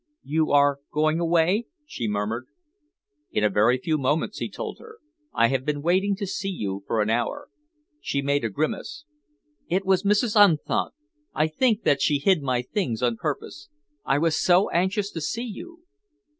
"You are going away?" she murmured. "In a very few moments," he told her. "I have been waiting to see you for an hour." She made a grimace. "It was Mrs. Unthank. I think that she hid my things on purpose. I was so anxious to see you."